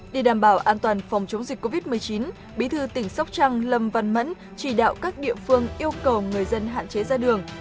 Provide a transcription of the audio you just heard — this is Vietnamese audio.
để đảm bảo an toàn phòng chống dịch covid một mươi chín bí thư tỉnh sóc trăng lâm văn mẫn chỉ đạo các địa phương yêu cầu người dân hạn chế ra đường